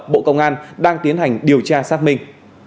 bộ công an đang tiến hành điều tra xác minh